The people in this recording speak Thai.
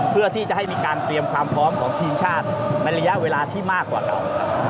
เพื่อที่จะให้มีการเตรียมความพร้อมของทีมชาติในระยะเวลาที่มากกว่าเก่า